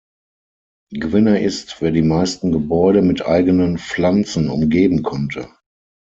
Gewinner ist, wer die meisten Gebäude mit eigenen Pflanzen umgeben konnte.